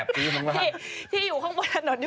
ที่อยู่ข้างบนถนนอยู่บนแผงทั้งหมด